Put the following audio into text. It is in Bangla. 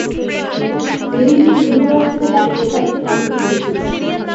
মেরী লুই নিউ ইয়র্ক থেকে তাঁর পোষা একটি কচ্ছপ নিয়ে এসেছেন।